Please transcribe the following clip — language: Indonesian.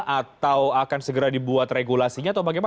atau akan segera dibuat regulasinya atau bagaimana